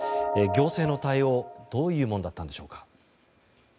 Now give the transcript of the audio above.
行政の対応、どういうものだったんでしょうか。